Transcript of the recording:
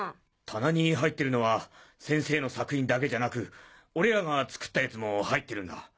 棚に入ってるのは先生の作品だけじゃなく俺らが造ったやつも入ってるんだ。